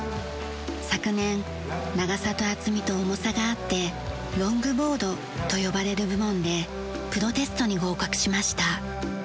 昨年長さと厚みと重さがあって「ロングボード」と呼ばれる部門でプロテストに合格しました。